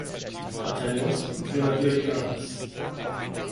Bataillons, Grenadier Guards.